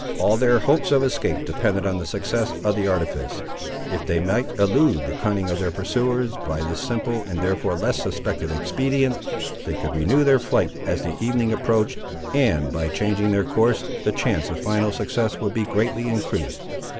All their hopes of escape depended on the success of the artifice. If they might elude the cunning of their pursuers, by this simple and therefore less suspected expedient, they could renew their flight as the evening approached, and, by changing their course, the chance of final success would be greatly increased.